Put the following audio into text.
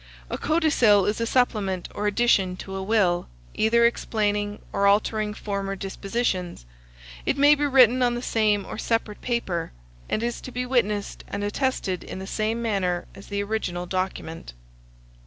A codicil is a supplement or addition to a will, either explaining or altering former dispositions; it may be written on the same or separate paper, and is to be witnessed and attested in the same manner as the original document.